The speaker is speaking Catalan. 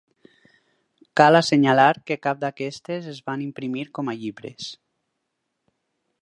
Cal assenyalar que cap d'aquestes es van imprimir com a llibres.